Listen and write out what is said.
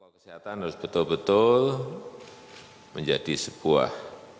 kesehatan harus betul betul menjadi sebuah